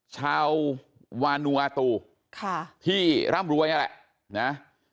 ชาววานูอาตูที่ร่ำรวยนั่นแหละนะ